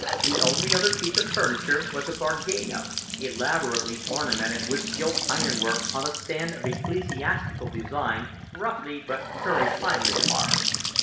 The only other piece of furniture was a bargueno, elaborately ornamented with gilt iron work, on a stand of ecclesiastical design roughly but very finely carved.